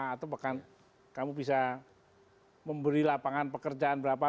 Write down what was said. atau bahkan kamu bisa memberi lapangan pekerjaan berapa